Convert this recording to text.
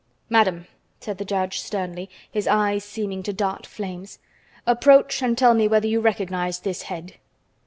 "Madame!" said the judge sternly, his eyes seeming to dart flames, "approach and tell me whether you recognize this head?"